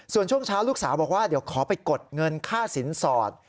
ส่วนช่วงเช้าลูกสาวบอกว่าเดี๋ยวขอไปกดเงินค่าสินสอด